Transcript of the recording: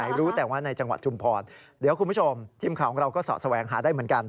รู้แต่ว่าในจังหวัดชุมพรเดี๋ยวคุณผู้ชมทีมข่าวของเราก็เสาะแสวงหาได้เหมือนกัน